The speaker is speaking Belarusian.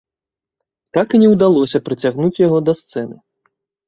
Так і не ўдалося прыцягнуць яго да сцэны.